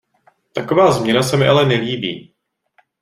Taková změna se mi ale nelíbí.